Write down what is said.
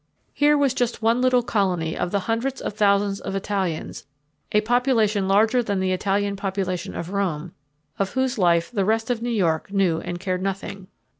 Here was just one little colony of the hundreds of thousands of Italians a population larger than the Italian population of Rome of whose life the rest of New York knew and cared nothing.